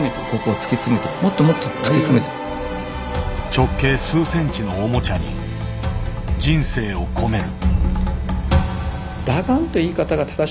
直径数センチのおもちゃに人生を込める。